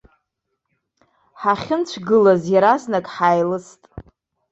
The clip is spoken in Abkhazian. Ҳахьынцәгылаз, иаразнак ҳаилыст.